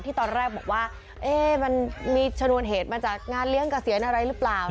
ตอนแรกบอกว่ามันมีชนวนเหตุมาจากงานเลี้ยงเกษียณอะไรหรือเปล่า